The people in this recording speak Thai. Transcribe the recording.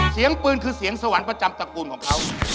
เสียงปืนคือเสียงสวรรค์ประจำตระกูลของเขา